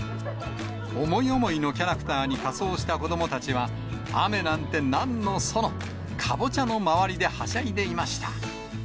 思い思いのキャラクターに仮装した子どもたちは、雨なんてなんのその、カボチャの周りではしゃいでいました。